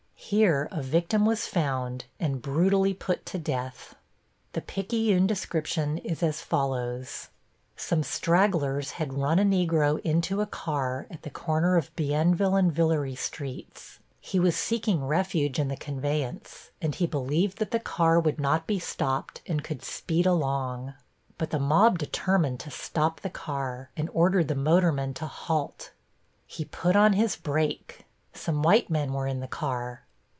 Here a victim was found and brutally put to death. The Picayune description is as follows: Some stragglers had run a Negro into a car at the corner of Bienville and Villere Streets. He was seeking refuge in the conveyance, and he believed that the car would not be stopped and could speed along. But the mob determined to stop the car, and ordered the motorman to halt. He put on his brake. Some white men were in the car.